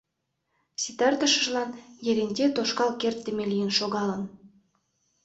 Ситартышыжлан Еренте тошкал кертдыме лийын шогалын.